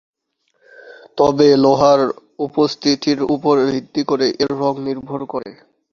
তবে লোহার উপস্থিতির ওপর ভিত্তি করে এর রঙ নির্ভর করে।